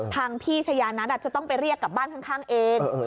ทางพี่ชายานัทจะต้องไปเรียกกลับบ้านข้างเอง